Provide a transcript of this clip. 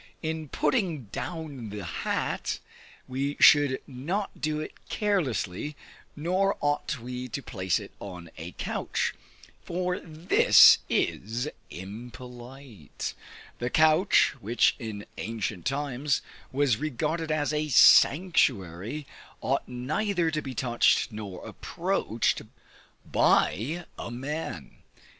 In putting down the hat, we should not do it carelessly, nor ought we to place it on a couch, for this is impolite. The couch, which in ancient times was regarded as a sanctuary, ought neither to be touched nor approached by a man.